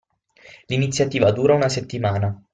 L'iniziativa dura una settimana.